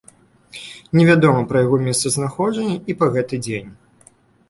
Невядома пра яго месцазнаходжанне і па гэты дзень.